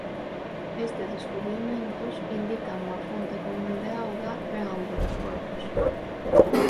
Estes descubrimentos indican unha fonte común de auga para ambos os corpos.